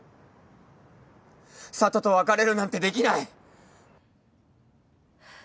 佐都と別れるなんてできない。